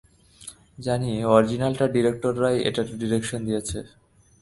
জানি অরিজিনালটার ডিরেক্টররাই এটাও ডিরেকশন দিয়েছে।